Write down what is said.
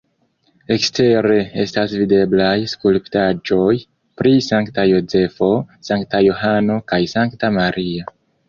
Ekstere estas videblaj skulptaĵoj pri Sankta Jozefo, Sankta Johano kaj Sankta Maria.